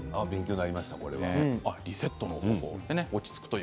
リセットの方法です。